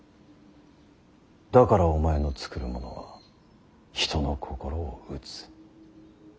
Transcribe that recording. だからお前の作るものは人の心を打つ。